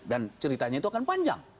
dan ceritanya itu akan panjang